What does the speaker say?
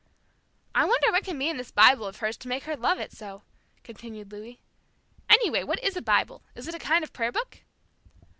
"I wonder what can be in this Bible of hers to make her love it so," continued Louis. "Any way, what is a Bible? Is it a kind of a prayer book?"